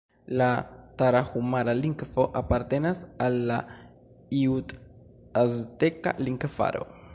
La tarahumara-lingvo apartenas al la jut-azteka lingvaro.